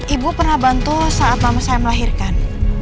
ibu pernah bantu saat mama saya melahirkan